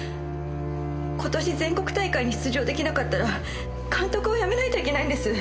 今年全国大会に出場出来なかったら監督を辞めないといけないんです。